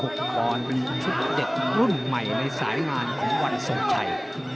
๑๐๖บอลชุดเด็กรุ่นใหม่ในสายงานของวันสุขชัย